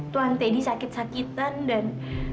tuan teddy sakit sakitan dan